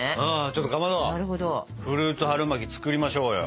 ちょっとかまどフルーツ春巻き作りましょうよ。